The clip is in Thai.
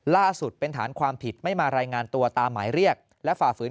ล่าสุดเป็นฐานความผิดไม่มารายงานตัวตามหมายเรียกและฝ่าฝืน